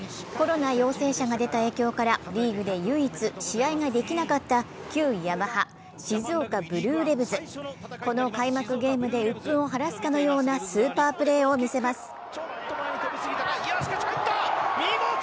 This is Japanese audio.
コロナ陽性者が出た影響から、リーグで唯一試合ができなかった旧ヤマハ、静岡ブルーレヴズ、この開幕ゲームでうっぷんを晴らすかのようなスーパープレーを魅せます。